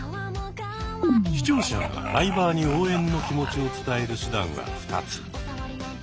視聴者がライバーに応援の気持ちを伝える手段は２つ。